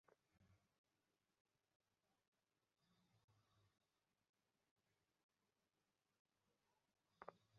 যাকে ভালোবাসেন না, সে যেন একেবারেই নাই।